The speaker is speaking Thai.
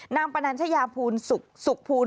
นางปนัญชญาภูมิสุขภูมิ